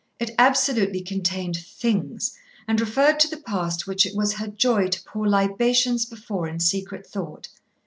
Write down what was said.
It absolutely contained "things" and referred to the past which it was her joy to pour libations before in secret thought.